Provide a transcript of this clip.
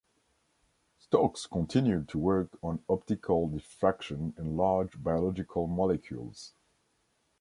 Stokes continued to work on optical diffraction in large biological molecules.